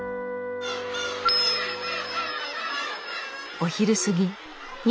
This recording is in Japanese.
お昼過ぎ。